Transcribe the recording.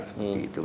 harus seperti itu